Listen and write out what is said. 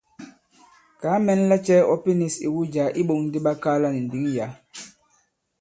Kàa mɛn lacɛ̄ ɔ pinīs iwu jǎ i iɓōŋ di ɓakaala nì ndǐŋ yǎ.